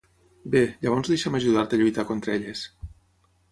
Bé, llavors deixa'm ajudar-te a lluitar contra elles.